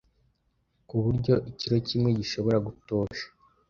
ku buryo ikilo kimwe gishobora gutosha